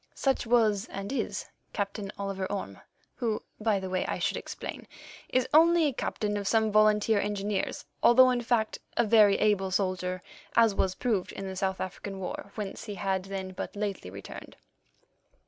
Such was, and is, Captain Oliver Orme, who, by the way, I should explain, is only a captain of some volunteer engineers, although, in fact, a very able soldier, as was proved in the South African War, whence he had then but lately returned.